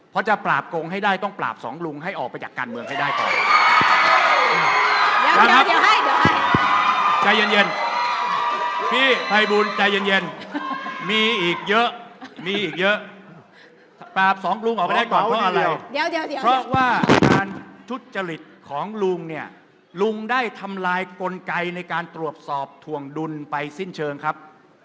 เพราะว่าอาการชุดจริตของลุงเนี่ยลุงได้ทำลายกลไกในการตรวจสอบถวงดุลไปสิ้นเชิงครับ